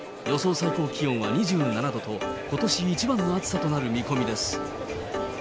最高気温は２７度と、ことし一番の暑さとなる見込みです。